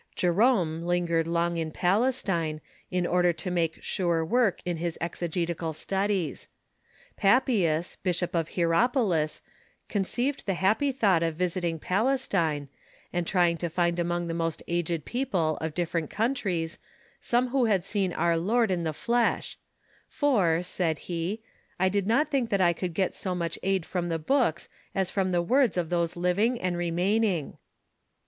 Jerome lingered long in Palestine, in order to make sure Avork 84 THE EARLY CHUKCH in his exegetical studies. Papias, Bishop of Hieropolis, con ceived the happy thought of visiting Palestine, and trying to find among the most aged people of different countries some who had seen our Lord in the flesh, "for," said he, "I did not think that I could get so much aid from the books as from the words of those living and remaining."